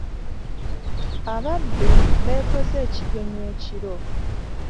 Ababbi beekoze ekigenyi ekiro.